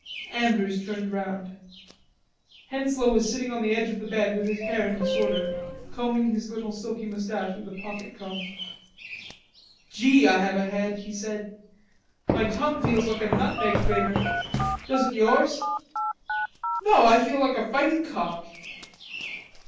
Andrews turned round. Henslowe was sitting on the edge of the bed with his hair in disorder, combing his little silky mustache with a pocket comb. "Gee, I have a head," he said. "My tongue feels like a nutmeg grater.... Doesn't yours?" "No. I feel like a fighting cock."